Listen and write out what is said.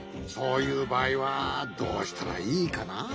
そういうばあいはどうしたらいいかな。